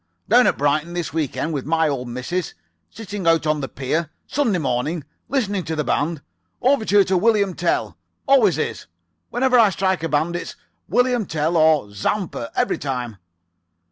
"Down at Brighton this week end with my old [Pg 77]missus. Sitting out on the pier. Sunday morning. Listening to the band. Overture to 'William Tell.' Always is. Whenever I strike a band, it's 'William Tell' or 'Zampa.' Every time.